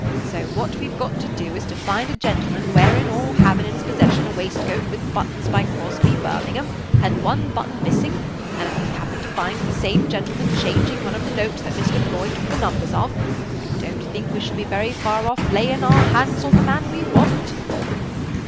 So what we've got to do is to find a gentleman wearin' or havin' in his possession a waistcoat with buttons by Crosby, Birmingham, and one button missin'; and if we happen to find the same gentleman changin' one of the notes that Mr. Floyd took the numbers of, I don't think we shall be very far off layin' our hands on the man we want."